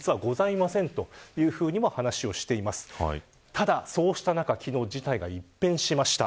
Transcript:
ただ、そうした中、昨日事態が一変しました。